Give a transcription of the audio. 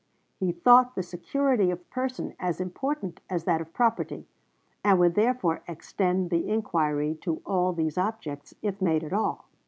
He thought the security of person as important as that of property, and would therefore extend the inquiry to all these objects, if made at all.